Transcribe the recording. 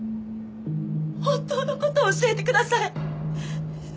本当の事を教えてください。